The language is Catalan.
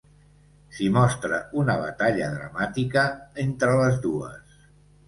S'hi mostra una batalla dramàtica entre les dues.